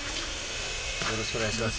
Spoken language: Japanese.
よろしくお願いします。